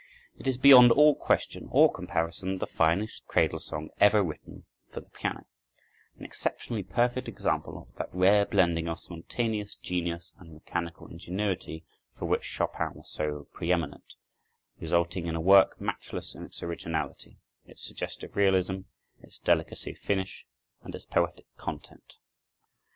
It is beyond all question or comparison, the finest cradle song ever written for the piano, an exceptionally perfect example of that rare blending of spontaneous genius and mechanical ingenuity, for which Chopin was so preëminent, resulting in a work matchless in its originality, its suggestive realism, its delicacy of finish, and its poetic content.